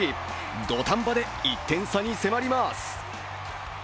土壇場で１点差に迫ります。